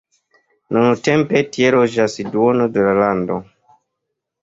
Nuntempe tie loĝas duono de la lando.